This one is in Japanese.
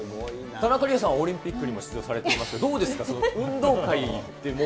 田中理恵さんは、オリンピックにも出場されてますけれども、どうですか、運動会ってもう。